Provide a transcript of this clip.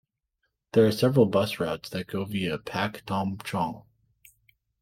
There are several bus routes that go via Pak Tam Chung.